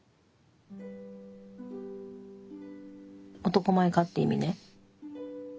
男前かって意味ね。